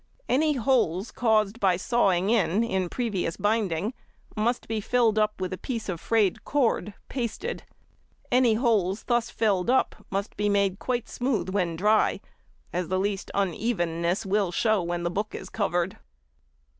Any holes caused by sawing in, in previous binding, must be filled up with a piece of frayed cord, pasted. Any holes thus filled up must be made quite smooth when dry, as the least unevenness will show when the book is covered.